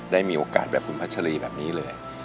ได้มีโอกาสแบบสุพัชรีแบบนี้เลย